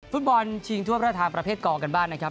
ฟุตบอลชิงทั่วพระทานประเภทกอกันบ้างนะครับ